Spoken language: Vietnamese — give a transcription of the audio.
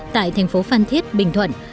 tại thành phố phan thiết bình thuận